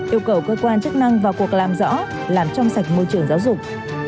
yêu cầu cơ quan chức năng vào cuộc làm rõ làm trong sạch môi trường giáo dục